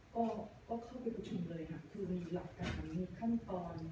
ก็ก็เข้าไปคุยกันเลยค่ะคือมีหลักการขั้นตอน